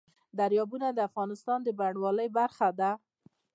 دریابونه د افغانستان د بڼوالۍ برخه ده.